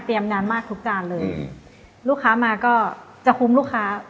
เตรียมนานมากทุกจานเลยลูกค้ามาก็จะคุ้มลูกค้า